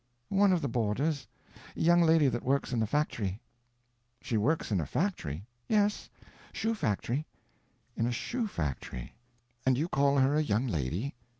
"One of the boarders; young lady that works in the fact'ry." "She works in a factory?" "Yes. Shoe factory." "In a shoe factory; and you call her a young lady?"